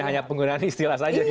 hanya penggunaan istilah saja